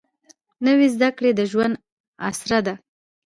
نوې زده کړه د ژوند اسره ده